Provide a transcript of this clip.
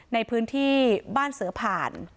ในพื้นที่บ้านเสือผ่าน